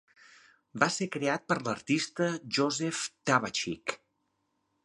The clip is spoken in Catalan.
Va ser creat per l'artista Josef Tabachnyk.